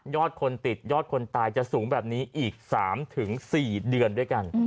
คนติดยอดคนตายจะสูงแบบนี้อีก๓๔เดือนด้วยกัน